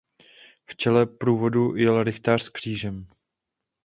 V čele průvodu jel rychtář s křížem.